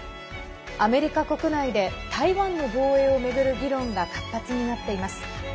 アメリカ国内で台湾の防衛を巡る議論が活発になっています。